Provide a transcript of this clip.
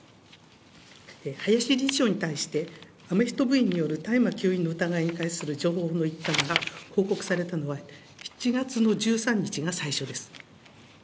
林理事長に対して、アメフト部員による大麻吸引の疑いに対する情報の一端が報告されたのは、７月の１３日が最初です。